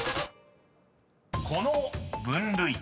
［この分類］